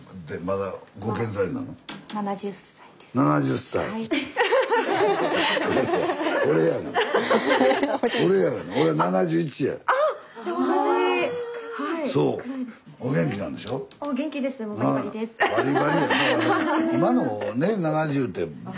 だから今のね７０って。